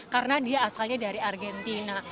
karena dia asalnya dari argentina